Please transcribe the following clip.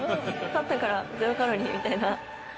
勝ったからゼロカロリーみたいな。